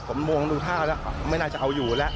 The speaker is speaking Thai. ผมมองดูท่าแล้วไม่น่าจะเอาอยู่แล้ว